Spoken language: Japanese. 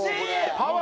パワー